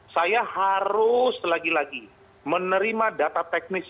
saya harus lagi lagi menerima data teknis